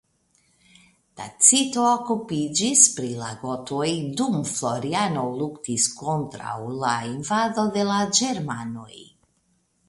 Tacito okupiĝis pri la gotoj dum Floriano luktis kontraŭ la invado de la ĝermanoj.